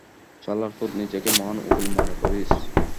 শালারপুত নিজেকে মহান উকিল মনে করিস?